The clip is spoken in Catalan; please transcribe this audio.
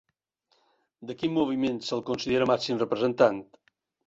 De quin moviment se'l considera màxim representant?